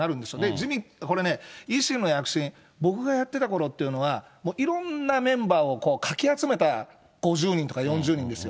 自民、これね、維新の躍進、僕がやってたころというのは、いろんなメンバーをかき集めた５０人とか４０人ですよ。